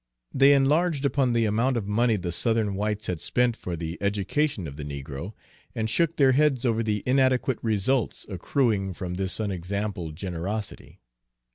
They enlarged upon the amount of money the Southern whites had spent for the education of the negro, and shook their heads over the inadequate results accruing from this unexampled generosity.